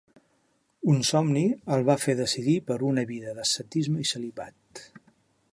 Un somni el va fer decidir per una vida d'ascetisme i celibat.